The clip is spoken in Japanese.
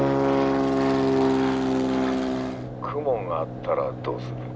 雲があったらどうする？